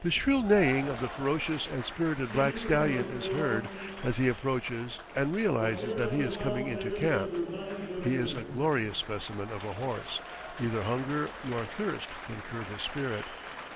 The shrill neighing of the ferocious and spirited black stallion is heard as he approaches and realizes that he is coming into camp; he is a glorious specimen of a horse, neither hunger nor thirst can curb his spirit.